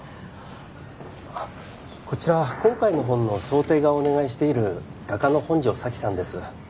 こちら今回の本の装丁画をお願いしている画家の本庄沙希さんです。